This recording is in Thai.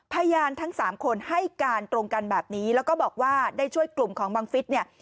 พยานทั้งสามคนให้การตรงกันแบบนี้แล้วก็บอกว่าได้ช่วยกลุ่มของบังฟิศเนี่ย